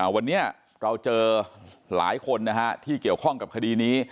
วันนี้เราเจอหลายคนที่เกี่ยวข้องกับคดีนี้